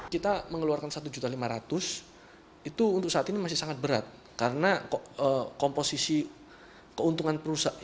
kita mengeluarkan satu lima ratus itu untuk saat ini masih sangat berat karena komposisi keuntungan perusahaan